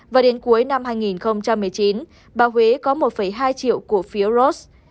và đến cuối năm hai nghìn một mươi chín bà huế có một hai triệu cổ phiếu ros